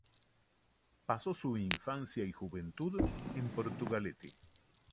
Pasó su infancia y juventud en Portugalete.